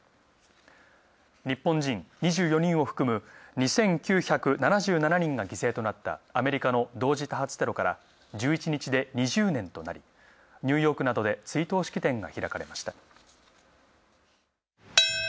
日本人２４人を含む２９７７人が犠牲となったアメリカの同時多発テロから１１日で２０年となり、ニューヨークなどで追悼式典が開かれました。